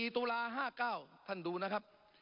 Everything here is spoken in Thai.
ตุลา๕๙ท่านดูนะครับ